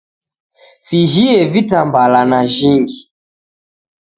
Sijhie vitambala najhingi